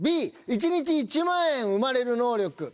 Ｂ１日１万円生まれる能力。